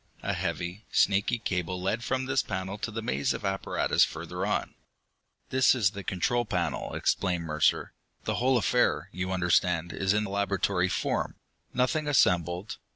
A heavy, snaky cable led from this panel to the maze of apparatus further on. "This is the control panel," explained Mercer. "The whole affair, you understand, is in laboratory form. Nothing assembled.